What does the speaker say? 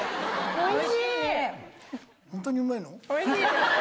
おいしいね。